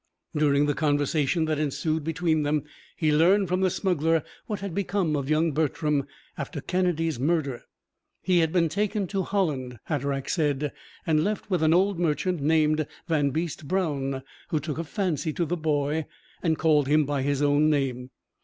During the conversation that ensued between them he learned from the smuggler what had become of young Bertram after Kennedy's murder. He had been taken to Holland, Hatteraick said, and left with an old merchant named Vanbeest Brown, who took a fancy to the boy and called him by his own name.